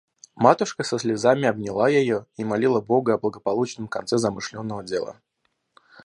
Матушка со слезами обняла ее и молила бога о благополучном конце замышленного дела.